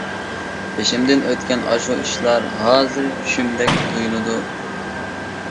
بېشىمدىن ئۆتكەن ئاشۇ ئىشلار ھازىر چۈشۈمدەك تۇيۇلىدۇ.